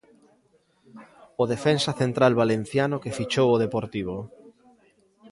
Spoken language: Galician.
O defensa central valenciano que fichou o Deportivo.